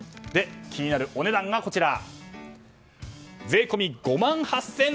気になるお値段が税込み５万８３００円。